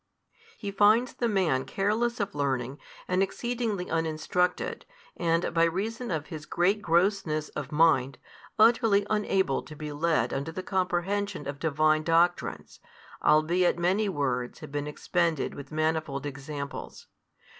He finds the man careless of learning and exceedingly uninstructed and, by reason of his great grossness of mind, utterly unable to be led unto the comprehension of Divine doctrines, albeit many words had been expended with manifold examples.